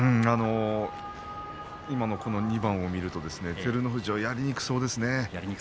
今のこの２番を見ると照ノ富士はやりにくそうですね。